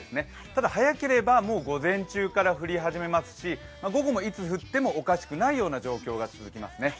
ただ、早ければもう午前中から降り始めますし、午後もいつ降ってもおかしくないような状況が続きますね。